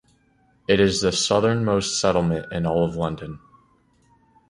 It is the southernmost settlement in all of London.